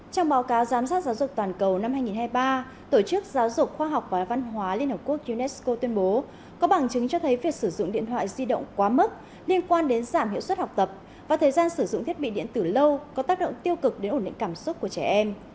trong báo cáo giám sát giáo dục toàn cầu năm hai nghìn hai mươi ba tổ chức giáo dục khoa học và văn hóa liên hợp quốc unesco tuyên bố có bằng chứng cho thấy việc sử dụng điện thoại di động quá mức liên quan đến giảm hiệu suất học tập và thời gian sử dụng thiết bị điện tử lâu có tác động tiêu cực đến ổn định cảm xúc của trẻ em